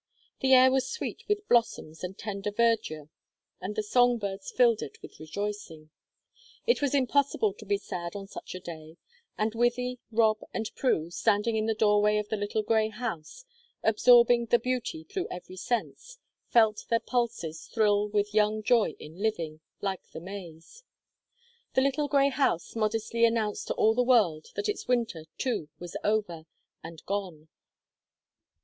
The air was sweet with blossoms and tender verdure, and the song birds filled it with rejoicing. It was impossible to be sad on such a day, and Wythie, Rob, and Prue, standing in the doorway of the little grey house, absorbing the beauty through every sense, felt their pulses thrill with young joy in living, like the May's. The little grey house modestly announced to all the world that its winter, too, was over and gone.